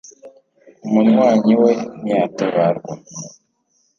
umunywanyi we ntiyatabarwa